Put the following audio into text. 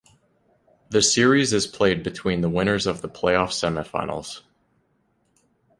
The series is played between the winners of the playoff semifinals.